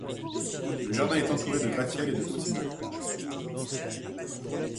Le jardin est entouré de gratte-ciel et de hauts immeubles.